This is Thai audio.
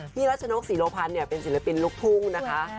พี่นัทชะนกศรีโรพันเนี่ยเป็นศิลปินลุกทุ่งนะคะ